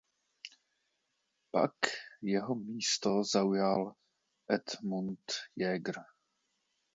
Pak jeho místo zaujal Edmund Jäger.